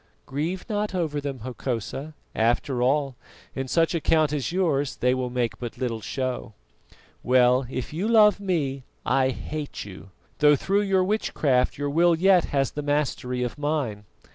"Grieve not over them, Hokosa; after all, in such a count as yours they will make but little show. Well, if you love me, I hate you, though through your witchcraft your will yet has the mastery of mine.